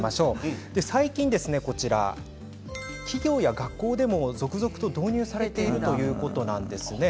最近、企業や学校でも続々と導入されているということなんですね。